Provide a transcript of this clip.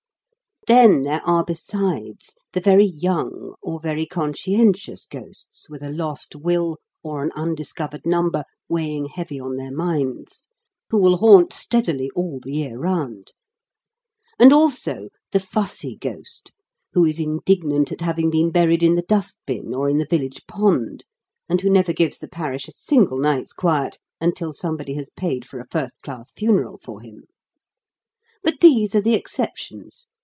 Then there are, besides, the very young, or very conscientious ghosts with a lost will or an undiscovered number weighing heavy on their minds, who will haunt steadily all the year round; and also the fussy ghost, who is indignant at having been buried in the dust bin or in the village pond, and who never gives the parish a single night's quiet until somebody has paid for a first class funeral for him. But these are the exceptions.